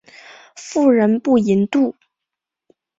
妇人不淫妒。